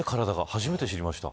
初めて知りました。